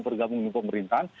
juga menggunakan pemerintahan